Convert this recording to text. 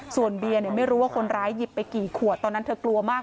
ส่วนเบียร์ไม่รู้ว่าคนร้ายหยิบไปกี่ขวดตอนนั้นเธอกลัวมาก